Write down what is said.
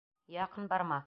Яҡын барма!